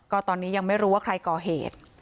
ก็ตอนนี้ยังไม่รู้ว่าใครก่อเหตุ